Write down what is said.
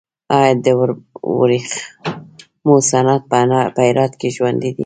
آیا د ورېښمو صنعت په هرات کې ژوندی دی؟